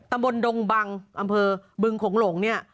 ตำบลดงบังอำเภอบึงโขงหลงเนี่ย